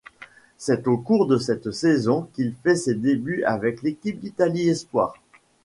C'est au cours de cette saison qu'il fait ses débuts avec l'équipe d'Italie espoirs.